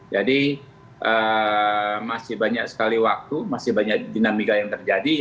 jadi masih banyak sekali waktu masih banyak dinamika yang terjadi